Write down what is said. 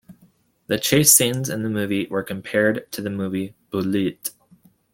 The chase scenes in the movie were compared to the movie "Bullitt".